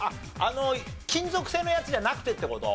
金属製のやつじゃなくてって事？